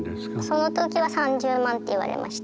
その時は「３０万」って言われました。